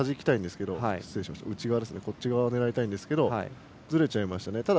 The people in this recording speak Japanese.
内側を狙いたいんですがずれちゃいました。